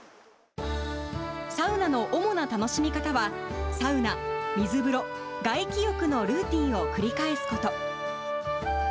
サウナの主な楽しみ方は、サウナ、水風呂、外気浴のルーティンを繰り返すこと。